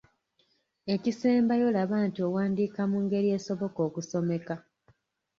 Ekisembayo laba nti owandiika mu ngeri esoboka okusomeka.